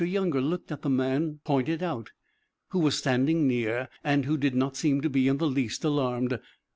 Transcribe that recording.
Younger looked at the man pointed out, who was standing near, and who did not seem to be in the least alarmed.